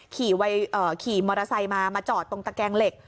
ขี่ไวเอ่อขี่มอเตอร์ไซค์มามาจอดตรงตะแกงเหล็ก